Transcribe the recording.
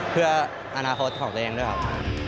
เพื่ออนาคตของตัวเองด้วยครับ